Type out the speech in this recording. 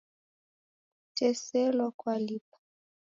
Kateselwa kwalipa.